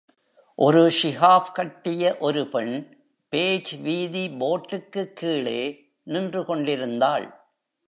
ஒரு ஸிகார்ஃப் கட்டிய ஒரு பெண் பேஜ் வீதி போர்டுக்கு கீழே நின்று கொண்டிருந்தாள்.